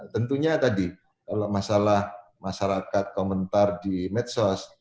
tentunya tadi kalau masalah masyarakat komentar di medsos